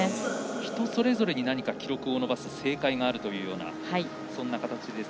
人それぞれに記録を伸ばす正解があるというようなそんな形です。